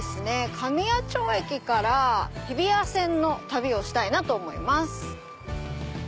神谷町駅から日比谷線の旅をしたいなと思います。